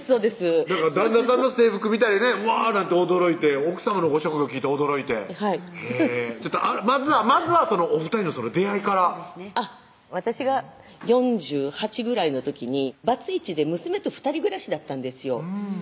旦那さんの制服みたいにね「うわ」なんて驚いて奥さまのご職業聞いて驚いてはいまずはお２人の出会いから私が４８ぐらいの時にバツイチで娘と２人暮らしだったんですよ